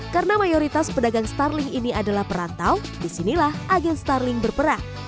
karena mayoritas pedagang starling ini adalah perantau disinilah agen starling berperang